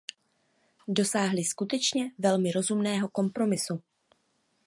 Dosáhli skutečně velmi rozumného kompromisu.